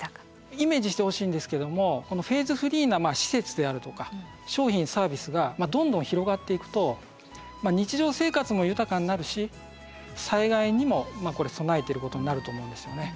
イメージしてほしいんですけどもこのフェーズフリーな施設であるとか商品サービスがどんどん広がっていくと日常生活も豊かになるし災害にもこれ備えていることになると思うんですよね。